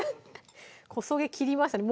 こそげきりましたね